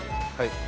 はい。